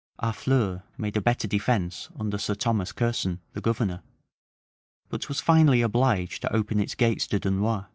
Harfleur made a better defence under Sir Thomas Curson, the governor; but was finally obliged to open its gates to Dunois.